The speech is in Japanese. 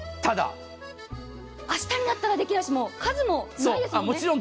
明日になったらできないし、数もないですもんね。